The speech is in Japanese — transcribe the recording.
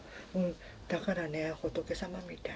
だからね仏様みたい。